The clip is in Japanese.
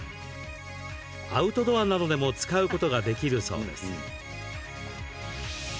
アウトドアなどでも使うことができるそうです。